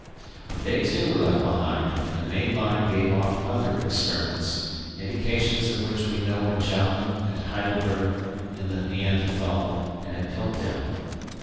But they too were left behind, and the main line gave off other experiments indications of which we know in Java, at Heidelberg, in the Neanderthal, and at Piltdown.